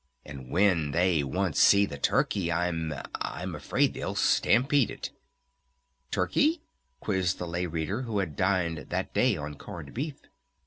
And when they once see the turkey I'm I'm afraid they'll stampede it." "Turkey?" quizzed the Lay Reader who had dined that day on corned beef.